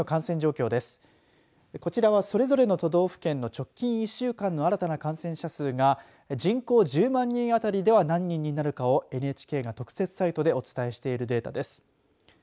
こちらは、それぞれの都道府県の直近１週間の新たな感染者数が人口１０万人当たりでは何人になるかをＮＨＫが特設サイトでお伝えしているデータです。